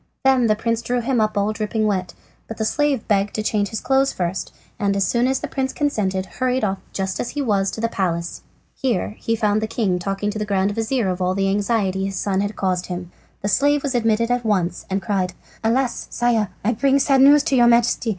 Then the prince drew him up all dripping wet, but the slave begged leave to change his clothes first, and as soon as the prince consented hurried off just as he was to the palace. Here he found the king talking to the grand vizir of all the anxiety his son had caused him. The slave was admitted at once and cried: "Alas, Sire! I bring sad news to your Majesty.